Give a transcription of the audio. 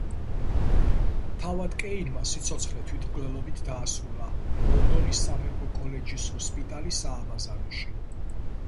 თავად კეინმა სიცოცხლე თვითმკვლელობით დაასრულა, ლონდონის სამეფო კოლეჯის ჰოსპიტალის სააბაზანოში.